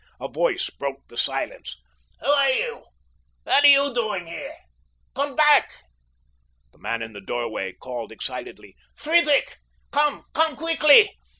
A voice broke the silence. "Who are you? What are you doing there? Come back!" The man in the doorway called excitedly, "Friedrich! Come! Come quickly!